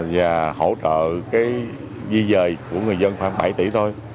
và hỗ trợ cái di dời của người dân khoảng bảy tỷ thôi